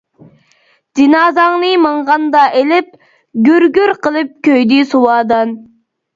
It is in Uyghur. جىنازاڭنى ماڭغاندا ئېلىپ، گۈر-گۈر قىلىپ كۆيدى سۇۋادان.